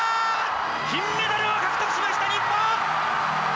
金メダルを獲得しました日本！